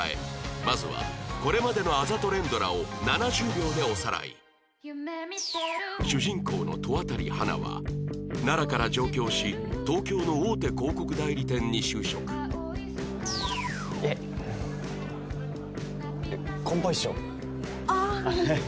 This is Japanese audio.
まずはこれまでのあざと連ドラを７０秒でおさらい主人公の戸渡花は奈良から上京し東京の大手広告代理店に就職ああごめん。